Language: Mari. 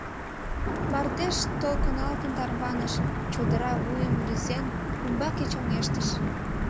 Мардеж толкыналтын тарваныш, чодыра вуйым рӱзен, умбаке чоҥештыш.